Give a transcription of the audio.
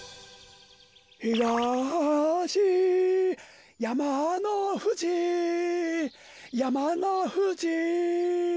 ひがしやまのふじやまのふじ。